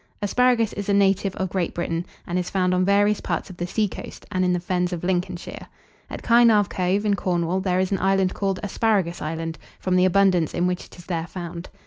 Asparagus is a native of Great Britain, and is found on various parts of the seacoast, and in the fens of Lincolnshire. At Kynarve Cove, in Cornwall, there is an island called "Asparagus Island," from the abundance in which it is there found.